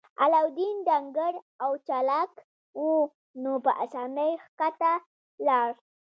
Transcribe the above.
علاوالدین ډنګر او چلاک و نو په اسانۍ ښکته لاړ.